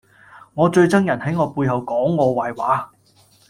我最憎人喺我背後講我壞話